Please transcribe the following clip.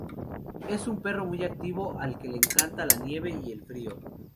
Es un perro muy activo al que le encanta la nieve y el frío.